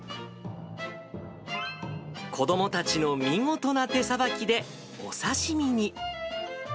子どもたちの見事な手さばきで、お刺身に。